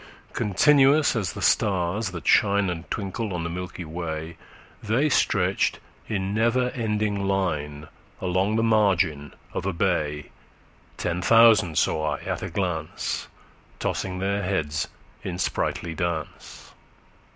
Continuous as the stars that shine And twinkle on the milky way, They stretched in never ending line Along the margin of a bay: 10 Ten thousand saw I at a glance, Tossing their heads in sprightly dance.